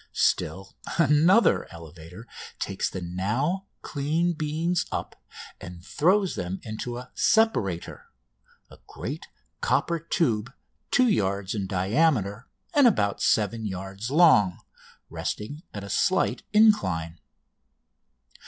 Still another elevator takes the now clean beans up and throws them into the "separator," a great copper tube two yards in diameter and about seven yards long, resting at a slight incline.